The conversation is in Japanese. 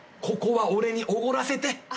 ここは俺におごらせて。